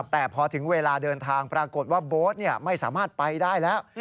แต่พอถึงเวลาเดินทางปรากฏว่าโบ๊ทไม่สามารถไปได้แล้ว